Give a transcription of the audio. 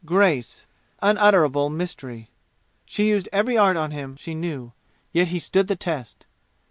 grace unutterable mystery she used every art on him she knew. Yet he stood the test.